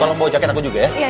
tolong bawa jaket aku juga ya